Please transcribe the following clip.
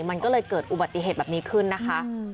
มันก็เลยเกิดอุบัติเหตุแบบนี้ขึ้นนะคะ